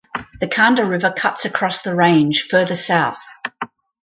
The Khanda river cuts across the range further south.